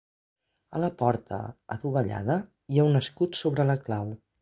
A la porta, adovellada, hi ha un escut sobre la clau.